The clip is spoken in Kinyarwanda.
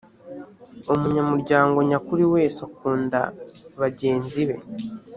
umunyamuryango nyakuri wese akunda bagenzibe.